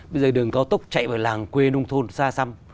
bây giờ đường cao tốc chạy vào làng quê nông thôn xa xăm